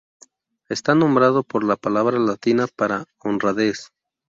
Está nombrado por la palabra latina para "honradez".